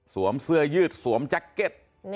เสื้อยืดสวมแจ็คเก็ต